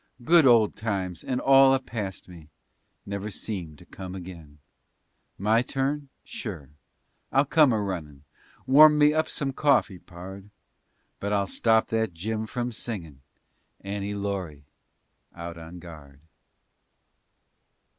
Good old times, and all apast me! Never seem to come again My turn? Sure. I'll come a runnin'. Warm me up some coffee, pard But I'll stop that Jim from singin' "Annie Laurie" out on guard.